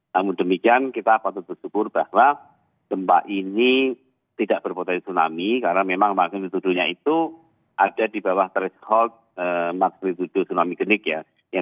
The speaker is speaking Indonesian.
namun demikian kita patut bersyukur bahwa gempa ini tidak berpotensi tsunami karena memang magnitudonya itu ada di bawah threshold magnitudo tsunami genik ya